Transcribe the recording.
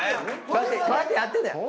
こうやってやってんだよ？